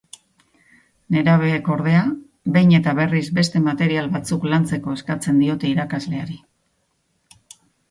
Nerabeek, ordea, behin eta berriz beste material batzuk lantzeko eskatzen diote irakasleari.